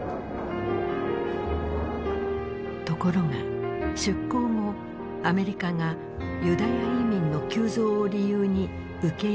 ところが出航後アメリカがユダヤ移民の急増を理由に受け入れを拒否。